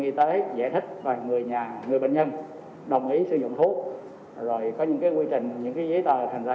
y tế giải thích và người bệnh nhân đồng ý sử dụng thuốc rồi có những quy trình những giấy tờ thành ra